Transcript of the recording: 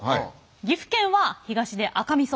岐阜県は東で赤みそ。